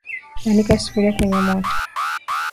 Bandika sufuria kwenye moto